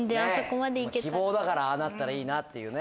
希望だからああなったらいいなっていうね。